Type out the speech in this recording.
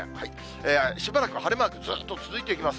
しばらく晴れマーク、ずっと続いていきます。